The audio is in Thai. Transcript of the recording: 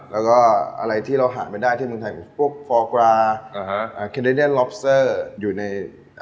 แล้วก็อะไรที่เราหาไม่ได้ที่เมืองไทยพวกฟอร์กราเคเนนล็อบเซอร์อยู่ใน